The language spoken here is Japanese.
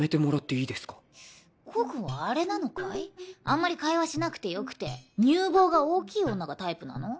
あんまり会話しなくてよくて乳房が大きい女がタイプなの？